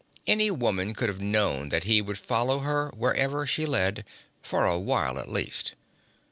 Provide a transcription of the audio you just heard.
Any woman could have known that he would follow her wherever she led for a while, at least.